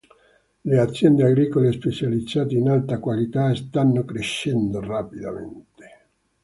Le aziende agricole specializzate in alta qualità stanno crescendo rapidamente.